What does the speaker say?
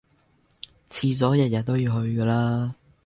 廁所日日都要去㗎啦